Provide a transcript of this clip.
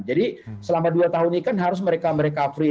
jadi selama dua tahun ini kan harus mereka free